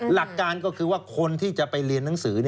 หลักการก็คือว่าคนที่จะไปเรียนหนังสือ